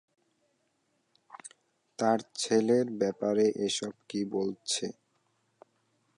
তার ছেলের ব্যাপারে এসব কী বলছে?